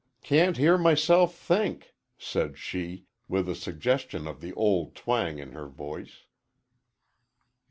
"Can't hear myself think," said she, with a suggestion of the old twang in her voice.